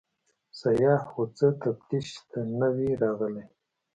سیاح خو څه تفتیش ته نه وي راغلی.